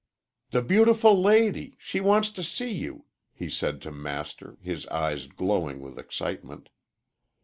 "'The beautiful lady'! She wants to see you," he said to Master, his eyes glowing with excitement.